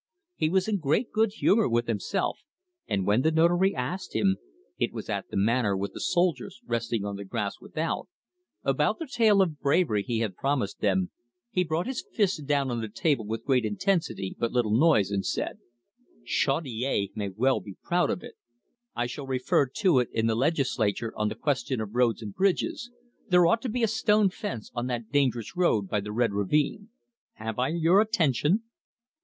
He was in great good humour with himself, and when the Notary asked him it was at the Manor, with the soldiers resting on the grass without about the tale of bravery he had promised them, he brought his fist down on the table with great intensity but little noise, and said: "Chaudiere may well be proud of it. I shall refer to it in the Legislature on the question of roads and bridges there ought to be a stone fence on that dangerous road by the Red Ravine Have I your attention?"